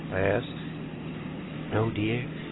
I asked. "No, dear.